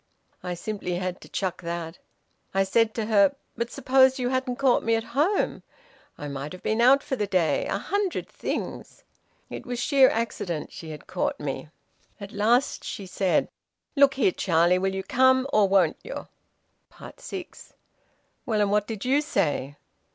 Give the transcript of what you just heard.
I simply had to chuck that. I said to her, `But suppose you hadn't caught me at home? I might have been out for the day a hundred things.' It was sheer accident she had caught me. At last she said: `Look here, Charlie, will you come, or won't you?'" SIX. "Well, and what did you say?"